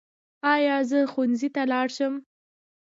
ایا زه ښوونځي ته لاړ شم؟